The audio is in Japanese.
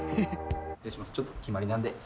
失礼します。